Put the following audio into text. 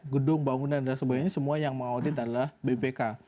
gedung bangunan dan sebagainya semua yang mengaudit adalah bpk